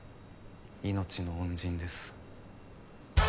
命の恩人です。